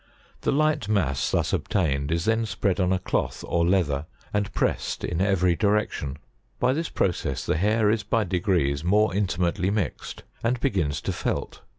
The light mass thus obtained is then spread on a cloth or leather, and pressed in every direction. By this process the hair is by degrees more intimately mixed, and be gins to felt.